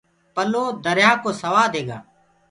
پَلو دريآ ڪو سوآد هيگآ